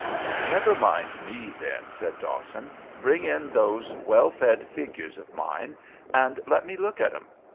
"Never mind me, then," said Dawson. "Bring in those well fed figures of mine, and let me look at 'em.